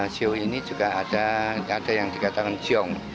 sio ini juga ada yang dikatakan jiong